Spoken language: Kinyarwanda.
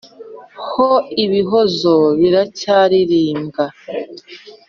ho ibihozo biracyaririmbwa